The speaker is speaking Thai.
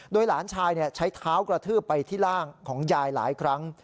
โดยหลานชายใช้เท้ากระทืบไปที่ร่างของยายหลายครั้ง